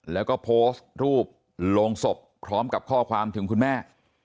แล้วก็โพสต์รูปลงศพพร้อมกับข้อความถึงคุณแม่